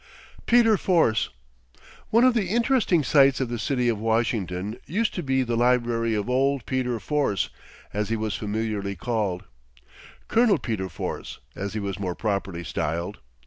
PETER FORCE. One of the interesting sights of the city of Washington used to be the library of "Old Peter Force," as he was familiarly called, Colonel Peter Force, as he was more properly styled.